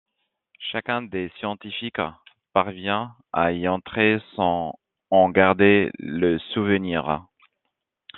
Chacun des scientifiques parvient à y entrer sans en garder le souvenir.